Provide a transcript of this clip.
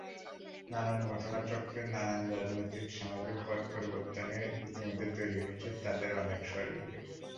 নানা ঘটনাচক্রে, নানা রাজনৈতিক, সামাজিক পটপরিবর্তনে ইতিমধ্যে তৈরি হয়েছে তাদের অনেক সহযোগীর।